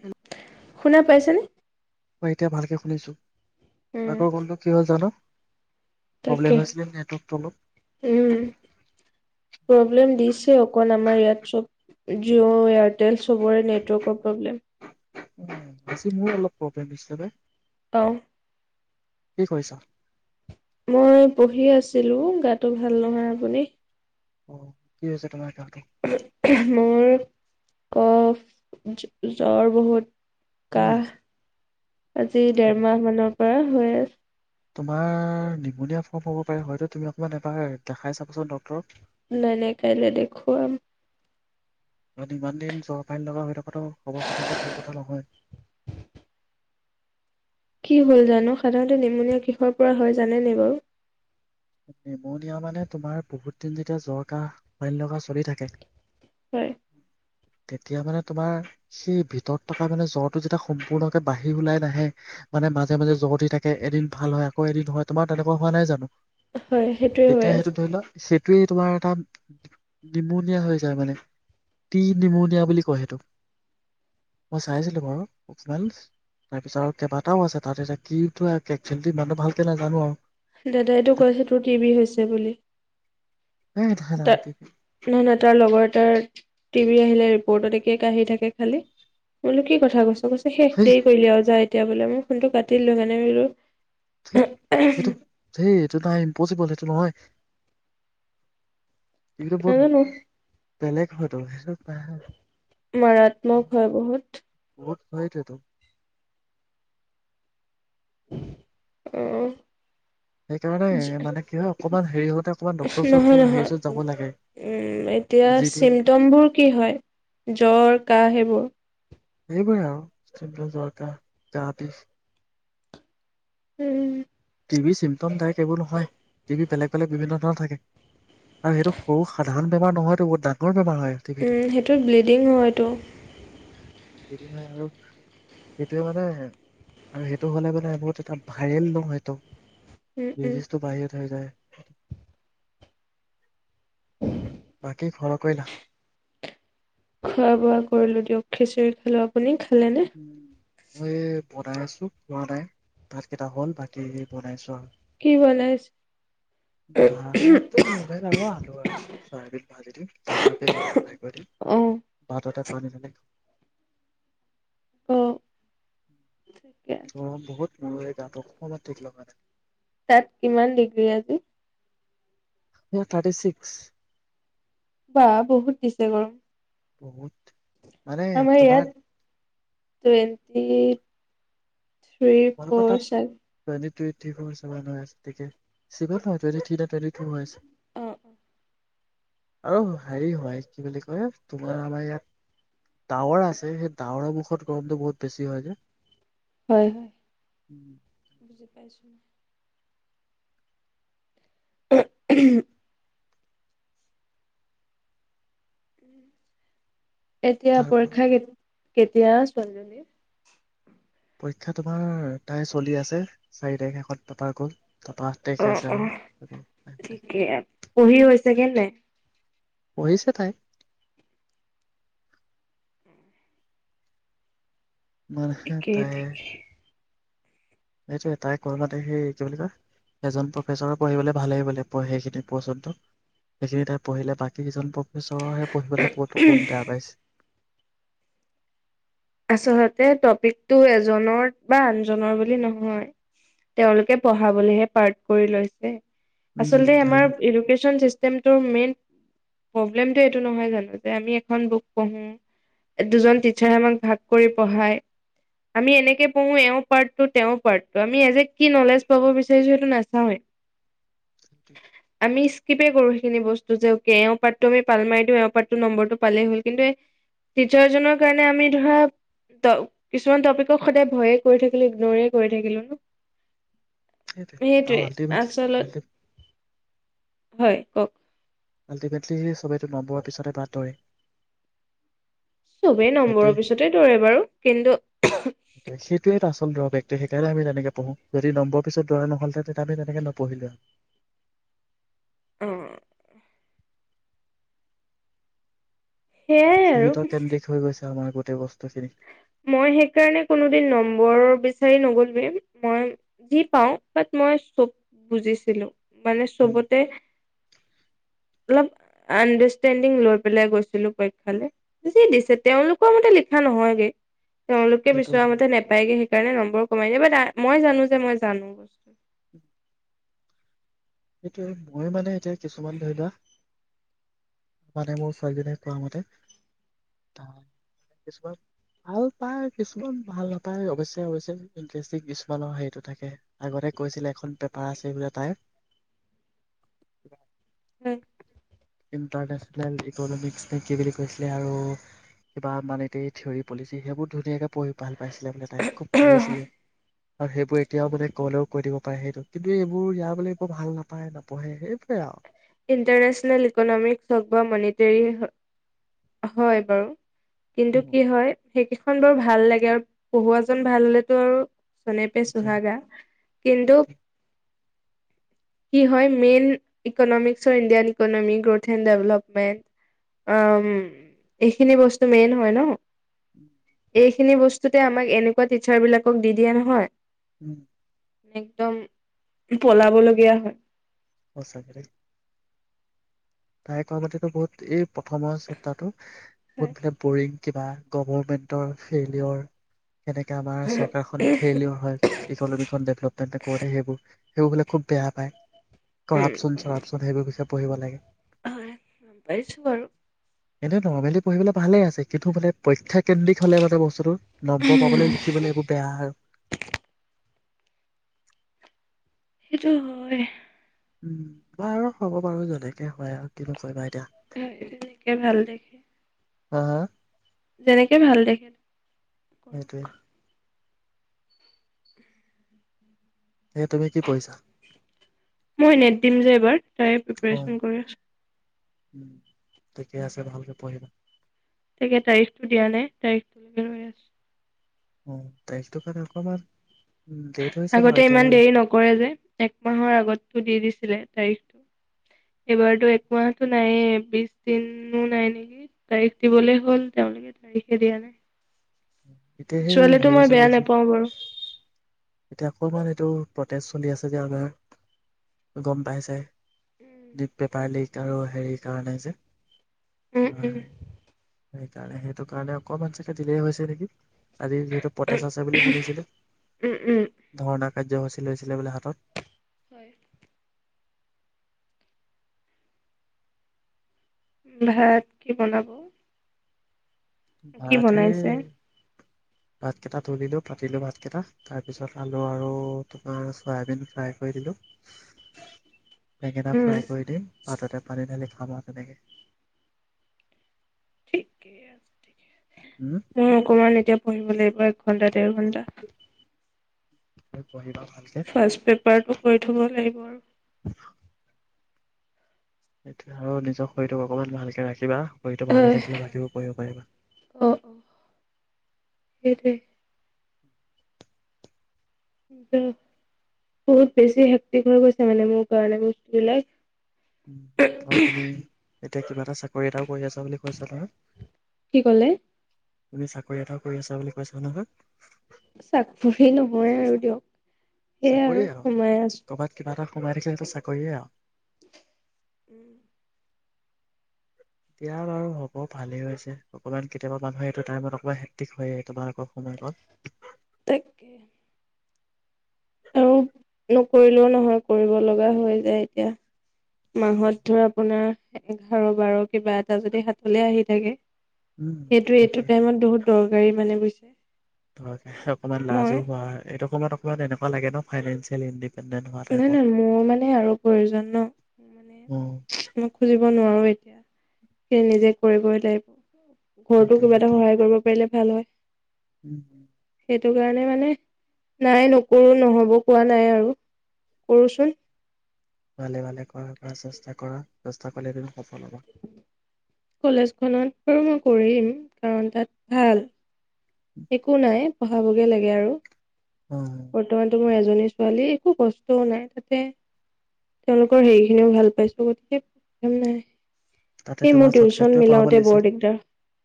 হ শুনা পাইছেনে মই এতিয়া ভালকে শুনিছো উম, আকৌ কলটো কি হল জানো! তাকে প্ৰব্লেম হৈছিলে নেটৱৰ্ক উম, অলপ প্ৰব্লেম দিছে অকণ আমাৰ ইয়াত চব জিঅ' এয়াৰটেল চবৰে নেটৱৰ্কৰ প্ৰব্লেম। উম, আজি মোৰ অলপ প্ৰব্লেম দিছিল পাই। অ কি কৰিছা মই পঢ়ি আছিলো গাটো ভাল নহয় আপুনি অ কি হৈছে তমা মোৰ কফ জ্বৰ বহুত উম কাহ আজি অ', দেৰমাহ মানৰ অ হৈ আছে তোমাৰ নিমনিয়া ফৰ্ম হ'ব পাৰে হয়তো তুমি অকমান এবাৰ দেখাই চাবাচোন ডক্তৰক নাই নাই কাইলৈ দেখো আম কাৰণ ইমান দিন জৰ পাইী লগা হৈ থকাতেটো খবৰ কাৰথতে ভাল কথা নহয় কি হ'ল জানো সাধাৰণতে নিমুনীয়া কিষৰ পৰা হয় জানেনে বাৰু নিমনিয়া মানে তোমাৰ বহুত দিন যেতিয়া জ্বৰ কাহ লগা চলি থাকে হয় তেতিয়া মানে তোমাৰ সেই ভিতৰত থকা মানে জ্বৰটো যেতিয়া সম্পূৰ্ণকে বাঢ়ি ওলাই নাহে মানে মাজে মাজে জ্বৰ দি থাকে এদিন ভাল হয় আকৌ এদিন হয় তোমাৰ তেনেকুৱা হোৱা নাই জানো হয় সেইটোোৱে হৈ আছে সেইটোোৱে তোমাৰ এটা নিমনিয়া হৈ যায় মানে টি নিমনিয়া বুলি কয় সেইটো মই চাইছিলো বাৰু অকমান তাৰপিছত আৰু কেইবাটাও আছে তাত এতি কিেল ইমানটো ভালকে নাই জানো আৰু দাদাইটো কৈছে তোৰ টিভি হৈছে বুলি ত নহ নহয় তাৰ লগত ত টিভি আহিলে ৰিপৰ্টত একে কি থাকে খালি তোলো কি কথা কৈছ শেষ সেই দেৰি কৰিলে আৰু যায় তেতিয়া বোলে মই ফোনটো কাটি দিলো মানে বলো স সেইটো সেই এইটো নাই ইম্পচিবল সেইটো নহয় বহুত নাজানো বেলেগ ফটোচটো মাৰাত্মক হয় বহুত সেইটোৱেতো আহ সেইকাৰণে মানে কি হয় অকমান হেৰি হওঁতে অকমান ডক্তৰ ওচৰত নহয় হেৰি নহয় ওচৰত যাব লাগে উম এতিয়া যি টি চিমটমবোৰ কি হয় জ্বৰ কাহ সেইবোৰ সেইবোৰে আৰু জ্বৰ, কাহ উম উম টি বি চিমটমদায়ক এইবোৰ নহয় টি বি বেলেগ বেলেগ বিভিন্ন ধৰণৰ থাকে আৰু সেইটো সৰু সাধাৰণ বেমাৰ নহয়তো বহুত ডাঙৰ বেমাৰ হয় টিবিটো সেইটো ব্লিডিং হয়টো সেইটোৱে আৰু সেইটোৱে মানে আৰু সেইটো হলে মানে বহুত এটা ভাইৰেল নহয় ত উম, উম। ডিজিজটো বাহিৰত হৈ যায় [inaudible] বাকী খৰ কৰিলা খোৱা বোৱা কৰিলো দিয়ক খিচিৰি খালো আপুনি খালেনে? উ [unintelligible] বনাই আছো হোৱা নাই, ভাতকেইটা হ'ল বাকী বনাইছো আৰু কি বনাইছে? [inaudible] ভাতটো হলেই বাৰু আলু আৰু চয়াবিন ভাজি দিম ত ফাই কৰি দিম অ', ভাততে পানী মিলাই অঁ অঁ গৰম বহুত মোৰেই গাতো অকমান ঠিক লগা নাই তাত, কিমান ডিগ্ৰী আজি থাৰ্টি ছিক্স বা বহুত দিছে গৰম বহুত মানে তোমাক twenty three four seven three four seven হৈ আছে ঠিকেই, [unintelligible] অ', অ', আৰু হেৰি হয় কি বুলি কয় তোমাৰ আমাৰ ইয়াত, টাৱৰ আছে সেই টাৱৰৰ মুখত গৰমটো বহুত বেছি হয় যে হয় হয় উম পাইছো উহ উম উম এতিয়া তাৰ পৰীক্ষা কেতি কেতিয়া ছোৱালজনীৰ পৰীক্ষা তোমাৰ, তাই চলি আছে চাৰি তাৰিখে শত পতাৰ গ'ল তাৰপৰা আঠ তাৰিখে আছে অঁ অঁ আৰু ঠিকেই আৰু, পঢ়ি হৈছে [unintelligible] পঢ়িছে তাই মানহে ঠিকেই তাই ঠিকে। সেইটোৱে তাই কৰবাত সেই কি বুলি কয়, এজন প্ৰফেচৰ পঢ়িবলৈ ভালে বুলে সেইখিনি পৰচনটো সেইখিনি তাই পঢ়িলে বাকী কেইজন প্ৰ চৰে পঢ়িবলৈ বতো কোন বেয়া পাইছে আচলতে টপিকটো এজনৰ বা আনজনৰ বুলি নহয়, তেওঁলোকে পঢ়াবলৈহে পাৰ্ট কৰি লৈছে। আচল উম আমাৰ এডুকেশ্যন চিচ [unintelligible] মেইন প্ৰব্লেমটো এইটো নহয় জানো যে আমি এখন বুক পঢ়ো, দুজন টিচাৰে আমাক ভাগ কৰি কৰি পঢ়াই, আমি এনেকে পঢ়ো এওঁ পাৰ্টটো তেওঁৰ পাৰ্টটো আমি এ জে কি নলেজ পাব বিচাৰিছাে সেইটো নাচাৱে, আমি স্কিপ এ কৰো সেইখিনি বস্তু যে এওঁ পাৰ্টটো পাল মাৰি দি এওঁ পাৰ্টটো নম্বটো পালে হ'ল কিন্তু টিচাৰজনৰ কাৰে আমি ধৰা ত কিছুমান টপিকক সদায় ভয়ে কৰি থাকিলো ইগনৰে কৰি থাকিলো ন অ সেইটোৱে, আল্টিমেটলি আচলত আল্টি হয় কওক আল্টিমেটলি সেই সবেইটো নম্বৰ পিছতে পাতৰে চবেই নম্বৰৰ পিছতে দৌৰে বাৰু কিন্তু ল দৰ ব্যক্তি সেইকাৰণে আমি তেনেকে পঢ়ো যদি নম্বৰ পিছত দৰা নহল হেঁতেন তে আমি তেনেকে নপঢ়িলো অহ সেইয়াই সীমিত আৰু কেন্দ্ৰিক হৈ গৈছে আমাৰ গোটেই বস্তুখিনি মই সেইকাৰণে কোনোদিন নম্বৰ বিচাৰি নগলোৱে মই যি পাও বাট মই চব বুজিছিলো মানে উম চবতে অলপ আণ্ডাৰষ্টেণ্ডিং লৈ পেলাই গৈছিলো পৰীক্ষালে যি দিছে তেওঁলোকৰ মতে লিখা নহয়গে তেওঁলোকে সেইটো বিচৰা মতে নাপায়গে সেইকাৰণে নম বৰ কমাই দিয়ে বাট মই জানো যে মই জানো বস্তু সেইটোৱে মই মানে এতিয়া কিছুমান ধৰি লোৱা মানে মোৰ ছোৱালীজনীয়ে কোৱা মতে তাই কিছুমান ভাল পায় কিছুমান ভাল নাপায় অৱশ্যে অৱশ্যে ইণ্টাৰেষ্টিং কিছুমানৰ হেৰিটো থাকে হে আগতে কৈছিলে এখন পেপাৰ আছে বোলে তাইৰ [inaudible] উম ইণ্টাৰনেচনেল ইকনমিক বেংকিং বুলি কৈছিলে আৰু কিবা মানে এ থিয়ৰৰি পলিচি সেইবোৰ ধুনীয়াকে পঢ়ি ভাল পাইছিলে বোলে তাই খুব পঢ়িছিলে আৰু সেইবোৰ এতিয়াও মানে কলেও কৈ দিব পাৰে সেইটো কিন্তু এইবোৰ ইয়াৰ বোলে এইবোৰ ভাল নাপায় নপঢ়ে সেইবোৰে আৰু ইণ্টাৰনেচনেল ইকনমিক হক বা মনিটৰী হয় বাৰু কিন্তু কি হয় সেইকেইখন বৰ ভাল লাগে আৰু পঢ়ুৱাজন ভাল হলেতো আৰু চনে পে চুহাগা কিন্তু কি হয় মেইন ইকনমিকসৰ Indian economy growth and the বোলে এইখিনি বস্তু মেইন হয় ন উম এইখিনি বস্তুতে আমাক এনেকুৱা টিচাৰ বিলাকক দি দিয়ে নহয় উম একদম পলাবলগীয়া হয় সচাকে দে তাই কোৱা পাতিতো বহুত এই প্ৰথমৰ চেপ্তাৰটো বহুতবিলাক বৰিং কিবা গভমেন্টৰ ফেইলিয়ৰ কেনেকে আমাৰ চৰকাৰখন ফেইলিয়ৰ হয় ইকনমিখন ডেভলপমেন্ট কৰোতে সেইবোৰ সেইবোৰ বোলে খুব বেয়া পায় উম কৰাপচন চৰাপচন সেইবোৰ পিছে পঢ়িব লাগে হয়‌ গম পাইছো বাৰু এনেই নৰ্মেলি পঢ়িবলৈ ভালে আছে কিন্তু মানে পৰীক্ষা কেন্দ্ৰিক হ'লে মানে বস্তুটো নম্বৰ পাবলৈ লিখিবলৈ এইবোৰ বেয়া আৰু সেইটো হয় উম মই আৰু হ'ব পাৰো যেনেকে হয় আৰু কিনো কৰিবা এতিয়া তাইয়ো যেনেকে ভাল দেখে আহ যেনেকে ভাল দেখে সেইটোৱে কৰক এ তুমি কি পঢ়িছা। মই নেট দিম যে এইবাৰ তাৰে অ প্ৰিপাৰেচন কৰি আছো ঠিকে আছে ভালকে পঢ়িবা তাকে তাৰিখটো দিয়া নাই তাৰিখটোলৈকে ৰৈ আছো অ তাৰিখটো কাৰনে অকমান উম, দেৰি হৈছে বাৰু আগতে এতিয়া ইমান দেৰি নকৰে যে একমাহৰ আগতো দি দিছিলে তাৰিখটো এইবাৰতো একমাহটো নাইে বিশ দিনো নাই নেকি তাৰিখ দিবলে হ'ল তেওঁলোকে তাৰিখে দিয়া নাই। এতিয়া সেই পিছুৱালেতো হেৰি মই বেয়া চলি আছে নোপাওঁ বাৰু এতিয়া অকমান এইটো প্ৰটেষ্ট চলি আছে যে আমাৰ গম পাইচাই দীপ পেপাৰ লিক। আৰু হেৰি কাৰণে যে উম হয়। উম সেইকাৰণে সেইটো কাৰণে অকমান চাগে দিলেই হৈছে নেকি? আজি যিহেতু পতেজ আছে বুলি শুনিছিলো উম উম ধৰ্ণাক। কাৰ্যসূচী লৈছিলে বোলে হাতত হয় ভাত কি বনাব। কি ভাত সেই বনাইছে। ভাতকেইটা তুলিলো পাতিলো ভাতকেইটা তাৰ পিছত আলু আৰু তোমাৰ চয়াবিন ফ্ৰাই কৰি দিলো। বেঙেনা উম ফ্ৰাই কৰি দিম ভাততে পানী ধালী খানা আছে থে ঠিকেই ঠিকে। উম মই অকমান এতিয়া পঢ়িব লাগিব এক ঘণ্টা দেৰ ঘন্টা [inaudible] ভালকে ফাৰ্ষষ্ট পেপাৰটো কৰি থব লাগিব আৰু সেইটোৱে আৰু নিজৰ শৰীৰটোক অকনমান ভালকে ৰাখিবা। শৰীলটো ভালে থাকিলে অ ভালকে পঢ়িব পাৰিবা অ সেইটোৱে। বহুত বহুত বেছি শক্তি হৈ গৈছে মানে মোৰ কাৰণে বস্তু বিলাক উম আৰু তুমি এতিয়া কিবা এটা চাকৰি এটাও কৰি আছা বুলি কৈছা নহয় কি কলে তুমি চাকৰি এটা কৰি আছা বুলি কৈছা হয় নহয়। চাকৰি নহয় আৰু দিয়ক সেয়াই চাকৰিয়ে আৰু সোমাই আছো কৰ'বাত কিবা এটা সোমাই থাকি সেইটো চাকৰিয়ে আৰু উম এতিয়া বাৰু হ'ব ভালেই হৈছে অকমান কেতিয়াবা মানুহে এইটো টাইমত অকমান হেিক হৈ য তোমালোকৰ সময় থাকে আৰু নকৰিলেও নহয় কৰিব লগা হৈ যায় এতিয়া মাহত ধৰ আপোনাৰ এঘাৰ বাৰ কিবা এটা যদি হাতলে আহি থাকে উম সেইটো এইটো টাইমত বহুত দৰকাৰী মানে বুজছ আ ধকে অকমান লাজো হোৱা এইটো সময়ত অকমান এনেকুৱা লাগে নাই নাই নাই মোৰ মানে আৰু প্ৰয়োজন ন উম মানে মই খুজিব নোৱাৰো য়া সেই নিজে কৰিবই লাগিব ঘৰতো সেইটোৱে কিবা এটা সেইটোৱে সহায় কৰিব পাৰিলে ভাল হয় উম হম সেইটো কাৰণে মানে নাই নকৰো নহ'ব কোৱা নাই আৰু কৰোচোন ভালে ভালে পৰা চেষ্টা কৰা ৰাস্তা কলৈ দিব কলেজখনত বাৰু মই কৰিম কাৰণ তাত ভাল একো নাই পঢ়াবগে লাগে আৰু উম বৰ্তমানটো মই এজনী ছোৱালী একো কষ্ট নাই তাতে তেওঁলোকৰ হেৰি খিনিও ভাল পাইছো গতিকে্ম নাই তাতে এই মোৰ তোমাৰ টিউচন চাবজেক্টটোৱে পঢ়াবলৈ মিলাওতে দিছে বৰ দিগদাৰ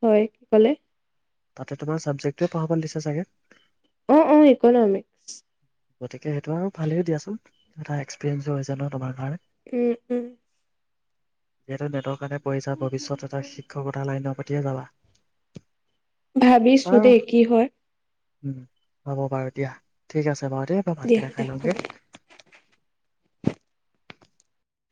হয় কি কলে তাতে তোমাৰ ছাবজেক্টোৱে পঢ়াব দিছে চাগে আহ অ ইকনমিক্স গতিকে সেইটো আৰু ভালেই দিয়াচোন এটা এক্সপিৰিয়েঞ্চো হৈ য ন তোমাৰ কাৰণে উম উম যিহেতু নেটৰ কাৰণে ভৱিষ্যত এটা শিক্ষকতা লাইনৰ কেতিয়া যাবা ভাবিছো বাৰু দেই কি হয় উম হ'ব বাৰু দিয়া ঠিক আছে [unintelligible] দিয়া ভাতকন খাই দিয়া হ'ব লওঁগে